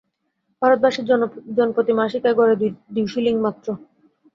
ভারতবাসীর জনপ্রতি মাসিক আয় গড়ে দুই শিলিং মাত্র।